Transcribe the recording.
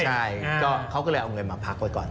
ใช่เขาก็เลยเอาเงินมาพักไว้ก่อน